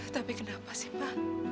tapi kenapa sih pa